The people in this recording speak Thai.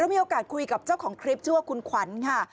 มีโอกาสคุยกับเจ้าของคลิปชื่อว่าคุณขวัญค่ะ